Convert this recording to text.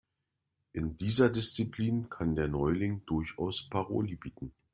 In dieser Disziplin kann der Neuling durchaus Paroli bieten.